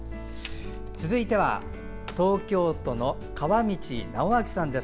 続いては東京都の川道直明さんです。